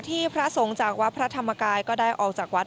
ถ้าส่งจากวัตรพระธรรมกายก็ได้ออกจากวัด